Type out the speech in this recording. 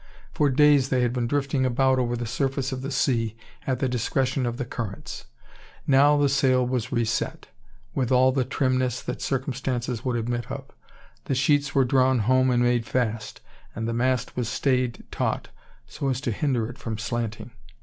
For days they had been drifting about over the surface of the sea, at the discretion of the currents. Now the sail was reset, with all the trimness that circumstances would admit of. The sheets were drawn home and made fast; and the mast was stayed taut, so as to hinder it from slanting.